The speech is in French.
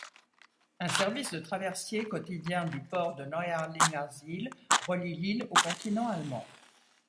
Un service de traversier quotidien du port de Neuharlingersiel relie l'île au continent allemand.